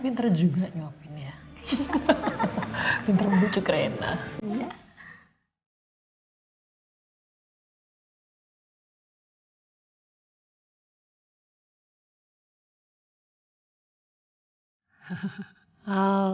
ini dari gurun pasir nih